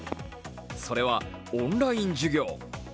それはオンライン授業。